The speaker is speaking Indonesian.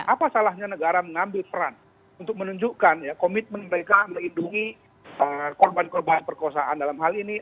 apa salahnya negara mengambil peran untuk menunjukkan komitmen mereka melindungi korban korban perkosaan dalam hal ini